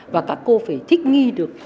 và các cô phải thích nghi được